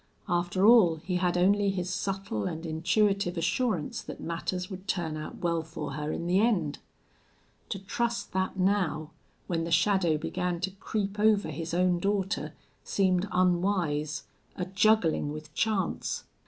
After all, he had only his subtle and intuitive assurance that matters would turn out well for her in the end. To trust that now, when the shadow began to creep over his own daughter, seemed unwise a juggling with chance.